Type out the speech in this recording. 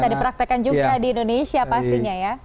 bisa dipraktekan juga di indonesia pastinya ya